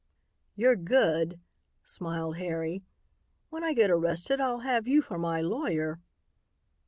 "You're good," smiled Harry. "When I get arrested I'll have you for my lawyer."